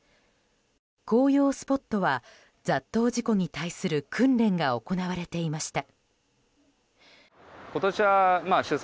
紅葉スポットは雑踏事故に対する訓練が行われていました。